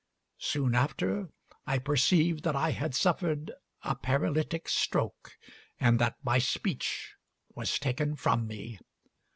Soon after I perceived that I had suffered a paralytic stroke, and that my speech was taken from me.